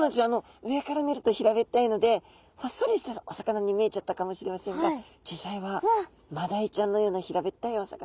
上から見ると平べったいのでほっそりしたお魚に見えちゃったかもしれませんが実際はマダイちゃんのような平べったいお魚。